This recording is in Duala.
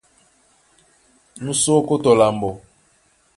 Nú sí ókó tɔ lambo.